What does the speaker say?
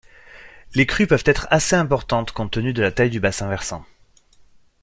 Les crues peuvent être assez importantes, compte tenu de la taille du bassin versant.